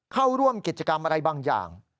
เข้าร่วมกิจกรรมอะไรบางอย่าง